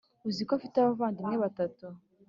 uziko afite abavandimwe batatu